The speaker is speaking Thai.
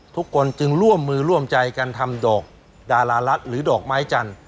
ทุกคนจึงร่วมมือร่วมใจกันทำดอกดารารัฐหรือดอกไม้จันทร์